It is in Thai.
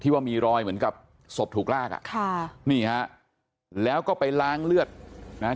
ว่ามีรอยเหมือนกับศพถูกลากอ่ะค่ะนี่ฮะแล้วก็ไปล้างเลือดนะฮะ